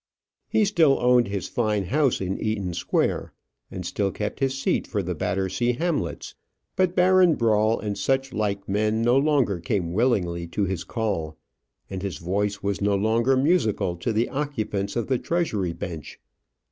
He still owned his fine house in Eaton Square, and still kept his seat for the Battersea Hamlets. But Baron Brawl, and such like men, no longer came willingly to his call; and his voice was no longer musical to the occupants of the Treasury bench.